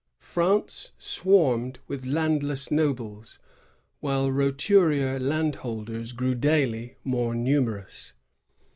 France swarmed with landless nobles, while roturier land holders grew daily more numerous.